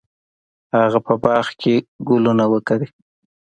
هغه په باغ کې ګلونه وکري.